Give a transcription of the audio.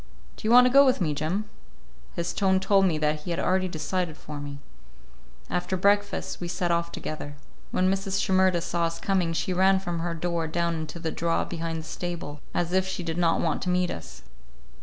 Do you want to go with me, Jim?" His tone told me that he had already decided for me. After breakfast we set off together. When Mrs. Shimerda saw us coming, she ran from her door down into the draw behind the stable, as if she did not want to meet us.